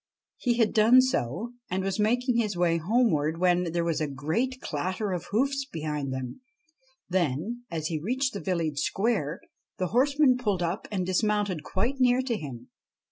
He had done so, and was making his way homeward, when there was a great clatter of hoofs behind him ; then, as he reached the village square, the horseman pulled up and dismounted quite near to him.